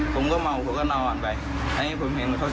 ก็คืออยู่ในห้องนี้แต่โชค